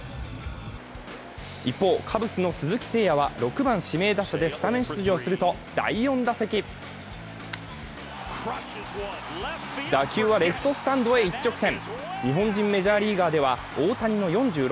一方、カブスの鈴木誠也は６番・指名打者でスタメン出場すると、第４打席打球はレフトスタンドへ一直線。